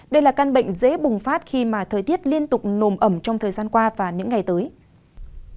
đây là căn bệnh dễ bùng phát khi mà thời tiết liên tục nồm ẩm trong thời gian qua và những ngày tới